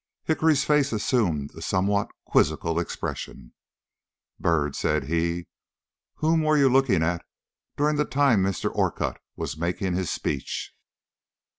Hickory's face assumed a somewhat quizzical expression. "Byrd," said he, "whom were you looking at during the time Mr. Orcutt was making his speech?"